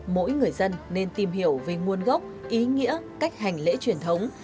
mỗi người dân nên tìm hiểu về nguồn gốc ý nghĩa cách hành lễ truyền thống